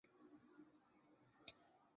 常见于轮船螺旋桨和泵桨叶的边缘。